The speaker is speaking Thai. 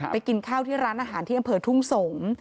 กินข้าวที่ร้านอาหารที่อำเภอทุ่งสงศ์